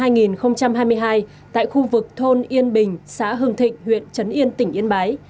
ngày một mươi tám tháng hai năm hai nghìn hai mươi hai tại khu vực thôn yên bình xã hương thịnh huyện trấn yên tỉnh yên bái